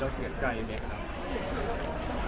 เราเสียใจค่ะ